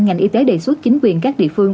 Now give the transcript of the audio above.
ngành y tế đề xuất chính quyền các địa phương